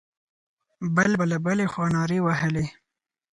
بل به له بلې خوا نارې وهلې.